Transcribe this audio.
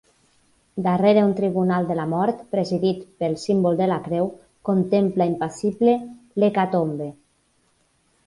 Darrere un tribunal de la mort, presidit pel símbol de la creu, contempla impassible l'hecatombe.